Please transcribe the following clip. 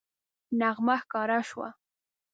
نغمه ښکاره شوه